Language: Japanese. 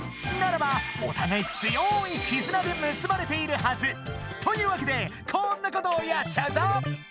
ならばおたがい強い絆でむすばれているはず！というわけでこんなことをやっちゃうぞ！